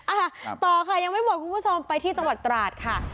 อ่าต่อค่ะยังไม่หมดคุณผู้ชมไปที่จังหวัดตราดค่ะ